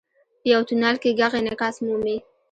• په یو تونل کې ږغ انعکاس مومي.